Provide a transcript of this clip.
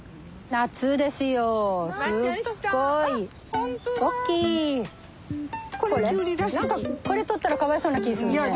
何かこれ取ったらかわいそうな気ぃするね。